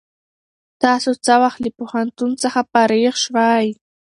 تاسو څه وخت له پوهنتون څخه فارغ شوئ؟